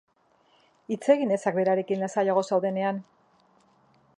Hitz egin ezak berarekin lasaiago zaudenean.